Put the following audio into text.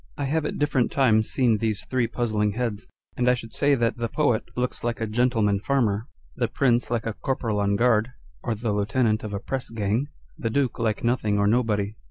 I have at different times seen these three puzzling heads, and I should say that the Poet looks like a gentleman farmer, the Prince like a corporal on guard, or the lieutenant of a pressgang, the Duke like nothing or nobody.